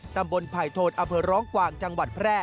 ไผ่โทนอำเภอร้องกวางจังหวัดแพร่